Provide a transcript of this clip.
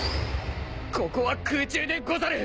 ここは空中でござる。